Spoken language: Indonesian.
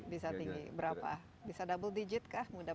bisa tinggi berapa bisa double digit kah